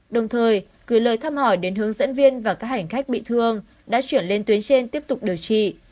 đồng thời gửi lời thăm hỏi đến hướng dẫn viên và các hành khách bị thương đã chuyển lên tuyến trên tiếp tục điều trị